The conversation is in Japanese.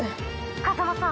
風真さん！